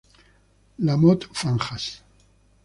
La Motte-Fanjas